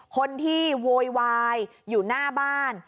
โวยวายอยู่หน้าบ้าน